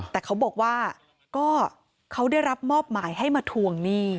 แต่เขาบอกว่าก็เขาได้รับมอบหมายให้มาทวงหนี้